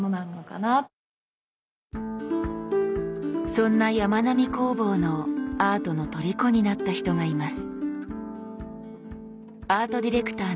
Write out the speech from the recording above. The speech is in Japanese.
そんなやまなみ工房のアートのとりこになった人がいます。